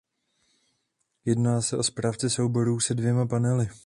Jedná se o správce souborů se dvěma panely.